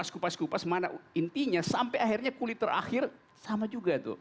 kupas kupas mana intinya sampai akhirnya kulit terakhir sama juga tuh